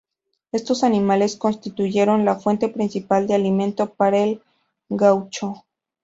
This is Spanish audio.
Estos animales constituyeron la fuente principal de alimento para el gaucho.